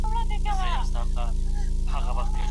د نکاح هدفونه بايد په روښانه توګه بيان سي.